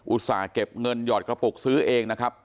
ส่าห์เก็บเงินหยอดกระปุกซื้อเองนะครับ